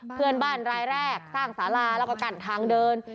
เพื่อนบ้านรายแรกสร้างสาราแล้วก็กันทางเดิน